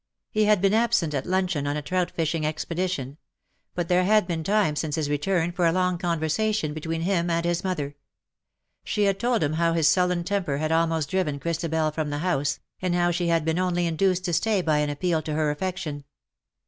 He had been absent at lun cheon^ on a trout fishing expedition ; but there had been time since his return for a long conversation between him and his mother. She had told him how his sullen temper had almost driven Christabel from the house^ and how she had been only induced to stay by an appeal to her affection.